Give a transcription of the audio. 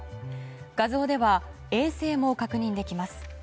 画像では衛星も確認できます。